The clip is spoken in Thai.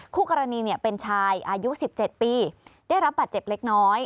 คู่กรณีเป็นชายอายุ๑๗ปีได้รับบาดเจ็บเล็กน้อย